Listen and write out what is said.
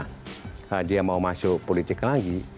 karena dia mau masuk politik lagi